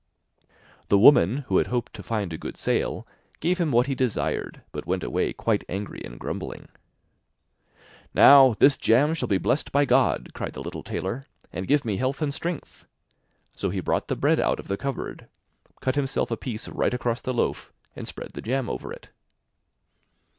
The woman who had hoped to find a good sale, gave him what he desired, but went away quite angry and grumbling. 'Now, this jam shall be blessed by God,' cried the little tailor, 'and give me health and strength'; so he brought the bread out of the cupboard, cut himself a piece right across the loaf and spread the jam over it.